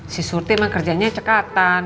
si surti emang kerjanya cekatan